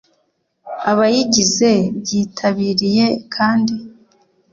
abayigize byitabiriye kandi